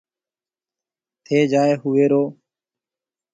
ٿَي جائي هوئيرو۔